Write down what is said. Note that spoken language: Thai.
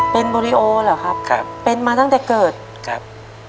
เป็นโบริโอเหรอครับครับเป็นมาตั้งแต่เกิดครับ